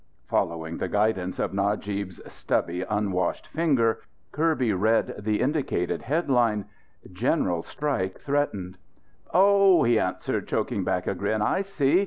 Following the guidance of Najib's stubby, unwashed finger, Kirby read the indicated headline: GENERAL STRIKE THREATENED "Oh!" he answered, choking back a grin, "I see.